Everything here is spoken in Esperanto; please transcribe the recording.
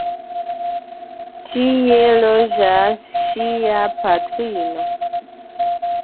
Tie loĝas ŝia patrino.